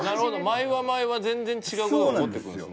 毎話毎話全然違う事が起こってくるんですね。